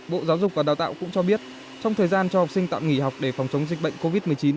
bộ giáo dục và đào tạo cũng cho biết trong thời gian cho học sinh tạm nghỉ học để phòng chống dịch bệnh covid một mươi chín